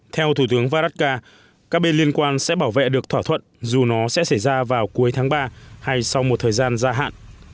theo thủ tướng varadcar các bên liên quan sẽ bảo vệ được thỏa thuận dù nó sẽ xảy ra vào cuối tháng ba hay sau một thời gian gia hạn